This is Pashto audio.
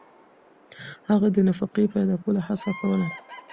هغه د نفقې پیدا کولو هڅه کوله.